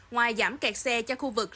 ngoài giảm kẹt xe cho khu vực